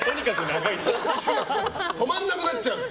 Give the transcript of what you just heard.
止まらなくなっちゃうって。